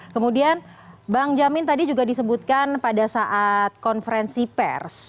kemudian bang jamin tadi juga disebutkan pada saat konferensi pers